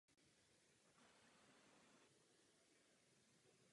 Tyto funkce popisuje článek spoušť zbraně.